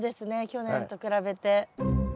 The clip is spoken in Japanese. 去年と比べて。